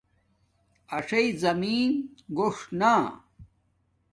اݽݵ زمین گوݽ نا